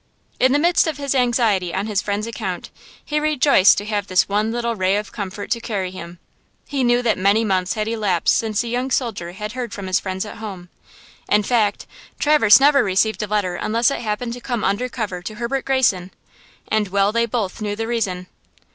In the midst of his anxiety on his friend's account he rejoiced to have this one little ray of comfort to carry him. He knew that many months had elapsed since the young soldier had heard from his friends at home–in fact, Traverse never received a letter unless it happened to come under cover to Herbert Greyson. And well they both knew the reason.